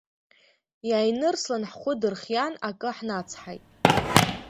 Иааинырслан ҳхәы дырхиан, акы ҳнацҳаит.